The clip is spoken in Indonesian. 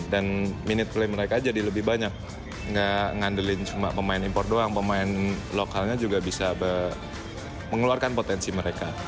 dan minute play mereka jadi lebih banyak nggak ngandelin cuma pemain impor doang pemain lokalnya juga bisa mengeluarkan potensi mereka